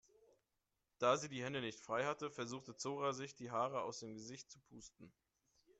Da sie die Hände nicht frei hatte, versuchte Zora sich die Haare aus dem Gesicht zu pusten.